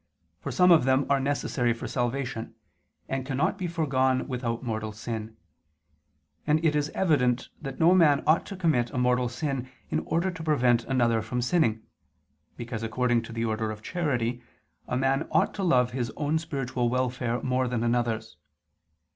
For some of them are necessary for salvation, and cannot be foregone without mortal sin: and it is evident that no man ought to commit a mortal sin, in order to prevent another from sinning, because according to the order of charity, a man ought to love his own spiritual welfare more than another's.